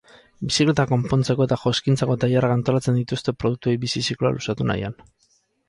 Bizikleta konpontzeko eta joskintzako tailerrak antolatzen dituzte produktuei bizi zikloa luzatu nahian.